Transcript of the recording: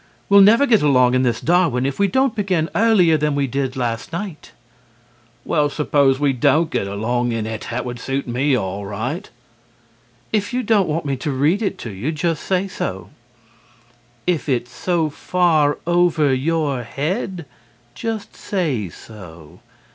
We'll never get along in this Darwin if we don't begin earlier than we did last night. HUSBAND: Well, suppose we didn't get along in it. That would suit me all right. WIFE: If you don't want me to read it to you, just say so ... (after thought) if it's so far over your head, just say so.